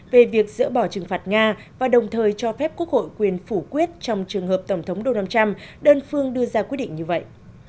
về việc dỡ bỏ trừng phạt nga và đồng thời cho phép quốc hội quyền phủ quyết trong trường hợp tổng thống donald trump đơn phương đưa ra quyết định như vậy